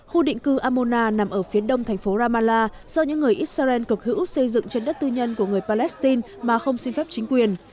khu định cư amona nằm ở phía đông thành phố ramallah do những người israel cực hữu xây dựng trên đất tư nhân của người palestine mà không xin phép chính quyền